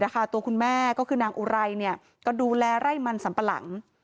ตัวคุณแม่ก็คือนางอุไรก็ดูแลไร่มันสัมปะหลัง